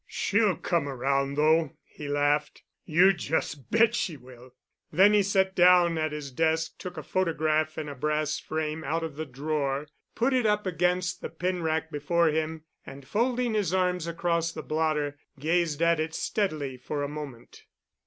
"She'll come around, though," he laughed. "You just bet she will." Then he sat down at his desk, took a photograph in a brass frame out of the drawer, put it up against the pen rack before him, and, folding his arms across the blotter, gazed at it steadily for a moment.